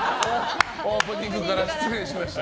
オープニングから失礼しました。